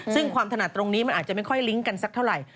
ซึ่งความถนัดตรงนี้มันอาจจะไม่ค่อยลิงก์กันสักเท่าไหร่